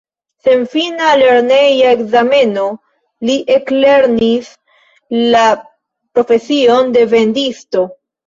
Sen fina lerneja ekzameno li eklernis la profesion de vendisto.